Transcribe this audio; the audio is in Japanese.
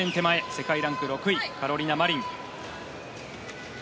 世界ランク６位カロリナ・マリン。